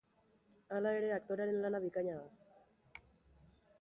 Hala ere aktorearen lana bikaina da.